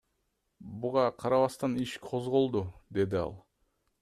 Буга карабастан иш козголду, — деди ал.